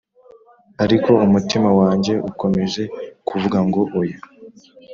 ariko umutima wanjye ukomeje kuvuga ngo oya.